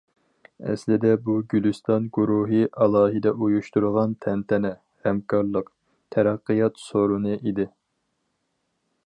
ئەسلىدە بۇ« گۈلىستان گۇرۇھى» ئالاھىدە ئۇيۇشتۇرغان تەنتەنە، ھەمكارلىق، تەرەققىيات سورۇنى ئىدى.